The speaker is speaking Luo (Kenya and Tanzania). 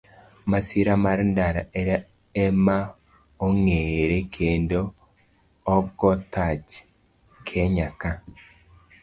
Masira mar ndara ema ong'ere kendo ogo thach Kenya ka.